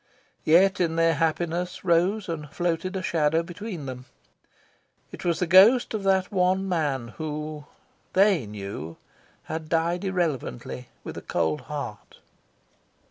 Yet, in their happiness, rose and floated a shadow between them. It was the ghost of that one man who THEY knew had died irrelevantly, with a cold heart.